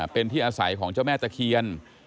เป็นที่อาศัยของเจ้าแม่ตะเคียน